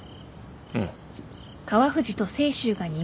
うん。